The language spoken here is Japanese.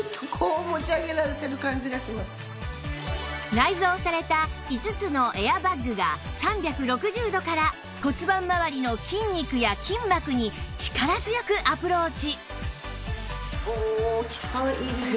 内蔵された５つのエアバッグが３６０度から骨盤まわりの筋肉や筋膜に力強くアプローチ